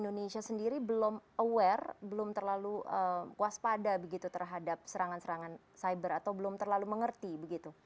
indonesia sendiri belum aware belum terlalu waspada begitu terhadap serangan serangan cyber atau belum terlalu mengerti begitu